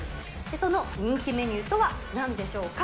その人気メニューとはなんでしょうか。